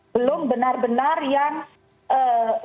belum benar benar yang lebih tinggi